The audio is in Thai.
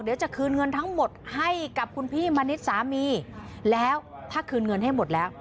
เดี๋ยวจะคืนเงินทั้งหมดให้กับคุณพี่มณิษฐ์สามีแล้วถ้าคืนเงินให้หมดแล้ว